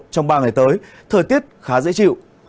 trong ba ngày tới thời tiết khá dễ chịu